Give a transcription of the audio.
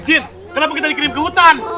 eh jin kenapa kita dikirim ke hutan